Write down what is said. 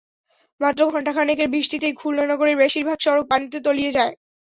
মাত্র ঘণ্টা খানেকের বৃষ্টিতেই খুলনা নগরের বেশির ভাগ সড়ক পানিতে তলিয়ে যায়।